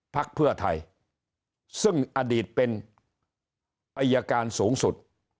พักเพื่อไทยซึ่งอดีตเป็นอายการสูงสุด